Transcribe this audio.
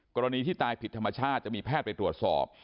กรณีที่ตายผิดธรรมชาติจะมีแพทย์ไปตรวจสอบ